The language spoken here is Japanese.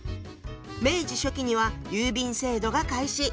明治初期には郵便制度が開始。